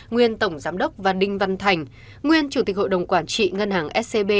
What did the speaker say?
nguyên tổng giám đốc và đinh văn thành nguyên chủ tịch hội đồng quản trị ngân hàng scb